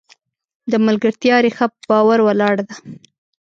د ملګرتیا ریښه په باور ولاړه ده.